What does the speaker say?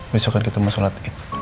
besok kan kita mau sholat